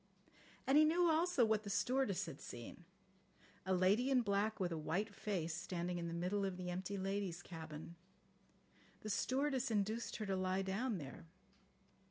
And he knew also what the stewardess had seen: A lady in black with a white face standing in the middle of the empty ladies' cabin. The stewardess induced her to lie down there.